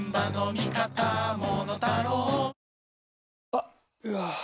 あっ、うわー。